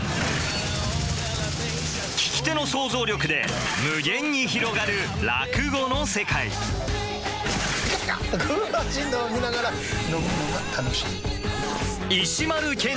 聞き手の想像力で無限に広がる落語の世界「ビカビカっとこう走るのを見ながら飲むのが楽しみ」。